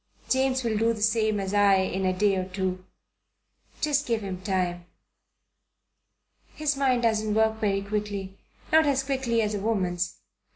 James will do the same as I in a day or two. Just give him time. His mind doesn't work very quickly, not as quickly as a woman's.